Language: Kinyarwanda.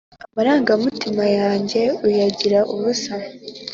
Amarangamutima yanjye Uyagira ubusa